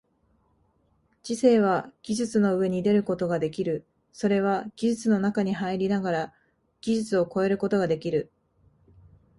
知性は技術の上に出ることができる、それは技術の中に入りながら技術を超えることができる。